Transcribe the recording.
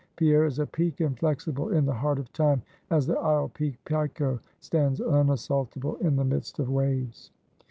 Pierre is a peak inflexible in the heart of Time, as the isle peak, Piko, stands unassaultable in the midst of waves.